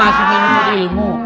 masih menuntut ilmu